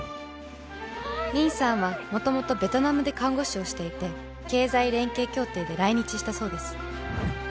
ミンさんはもともとベトナムで看護師をしていて経済連携協定で来日したそうです